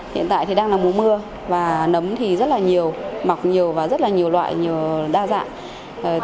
hiện tại thì đang là mùa mưa và nấm thì rất là nhiều mọc nhiều và rất là nhiều loại nhiều đa dạng